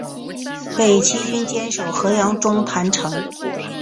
北齐军坚守河阳中潭城。